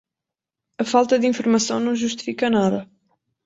A falta de informação não justifica nada.